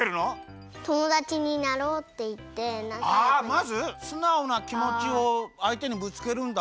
まずすなおなきもちをあいてにぶつけるんだ。